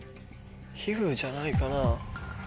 「皮ふ」じゃないかな。